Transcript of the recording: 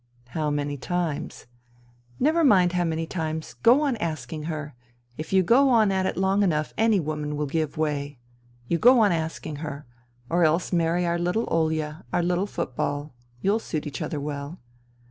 " How many times ?"" Never mind how many times. Go on asking her. If you go on at it long enough any woman will give way. You go on asking her. Or else marry our little Olya, our little football. You'll suit each other well."